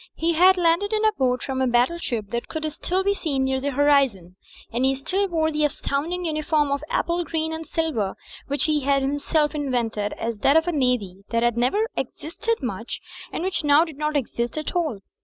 He had landed in a boat from a battleship that could still be seen near the horizon, and he still wore the astounding uniform of apple green and silver which he had himself invented as that of a navy that had never existed very much, and which now did not exist «all.